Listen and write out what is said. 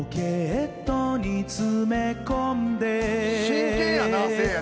真剣やなせいや。